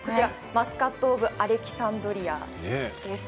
マスカット・オブ・アレキサンドリアです。